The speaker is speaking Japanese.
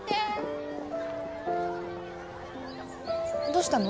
どうしたの？